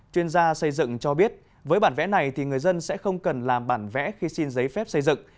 chuyên gia xây dựng cho biết với bản vẽ này thì người dân sẽ không cần làm bản vẽ khi xin giấy phép xây dựng